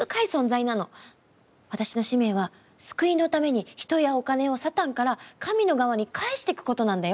私の使命は救いのために人やお金をサタンから神の側に返していくことなんだよ。